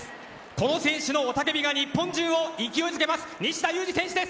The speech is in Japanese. この選手の雄叫びが日本中を勢いづけます西田有志選手です。